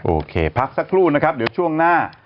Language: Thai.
โอเคพักสักครู่นะครับเดี๋ยวช่วงหน้า